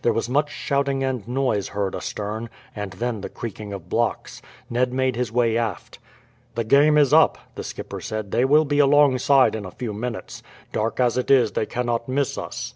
There was much shouting and noise heard astern, and then the creaking of blocks. Ned made his way aft. "The game is up," the skipper said. "They will be alongside in a few minutes. Dark as it is they cannot miss us.